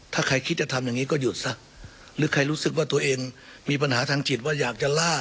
ถ้าใครคิดจะทำอย่างนี้ก็หยุดซะหรือใครรู้สึกว่าตัวเองมีปัญหาทางจิตว่าอยากจะล่า